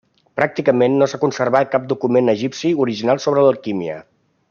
Pràcticament no s'ha conservat cap document egipci original sobre l'alquímia.